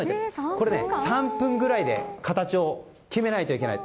これ、３分ぐらいで形を決めないといけない。